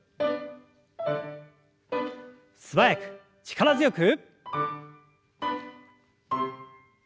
素早く力強く。